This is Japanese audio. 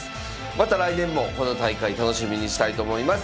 また来年もこの大会楽しみにしたいと思います。